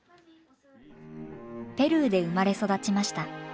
ペルーで生まれ育ちました。